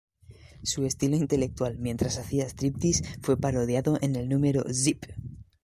Su estilo intelectual mientras hacía striptease fue parodiado en el número "Zip!